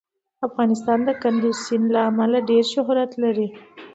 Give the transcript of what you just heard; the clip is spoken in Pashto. افغانستان د کندز سیند له امله ډېر شهرت لري.